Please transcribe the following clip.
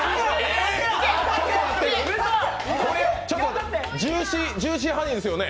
これちょっと、ジューシーハニーですよね？